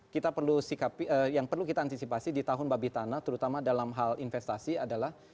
kita perlu sikapi yang perlu kita antisipasi di tahun babi tanah terutama dalam hal investasi adalah